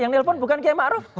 yang menelpon bukan kiai ma'ruf